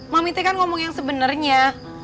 mami teh kan ngomong yang sebenernya